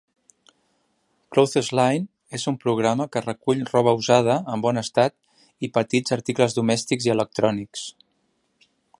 Clothesline és un programa que recull roba usada en bon estat i petits articles domèstics i electrònics.